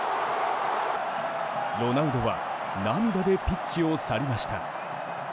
ロナウドは涙でピッチを去りました。